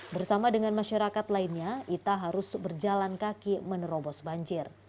bersama dengan masyarakat lainnya ita harus berjalan kaki menerobos banjir